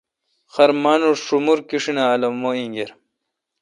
ہر مانوش شومور کیشیناں الومہ اینگر